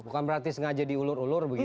bukan berarti sengaja diulur ulur begitu